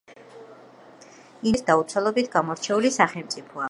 ინდონეზია სანაპირო ზოლის დაუცველობით გამორჩეული სახელმწიფოა